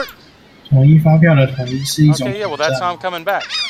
統一發票的統一，是一種統戰嗎？